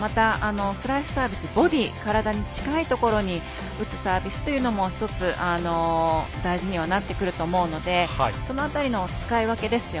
また、スライスサービスボディー、体に近いところに打つサービスというのも１つ、大事にはなってくると思うのでその辺りの使い分けですよね。